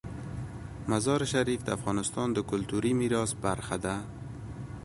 مزارشریف د افغانستان د کلتوري میراث برخه ده.